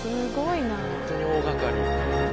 本当に大がかり。